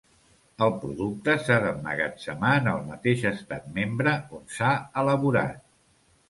El producte s'ha d'emmagatzemar en el mateix Estat membre on s'ha elaborat.